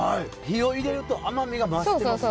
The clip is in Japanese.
火を入れると甘みが増してます。